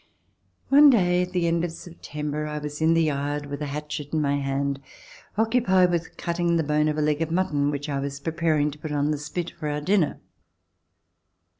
One day at the end of September, I was in the yard with a hatchet in my hand, occupied with cutting the bone of a leg of mutton which I was pre paring to put on the spit for our dinner.